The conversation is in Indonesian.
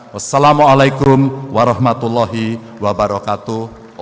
wassalamu'alaikum warahmatullahi wabarakatuh